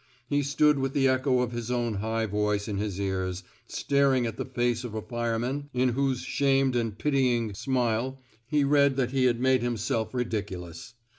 He stood with the echo of his own high voice in his ears, staring at the face of a fireman in whose shamed and pitying 175 t THE SMOKE EATEES smile he read that he had made himself ridiculous.